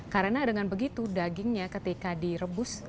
karena dengan begitu dagingnya ketika direbus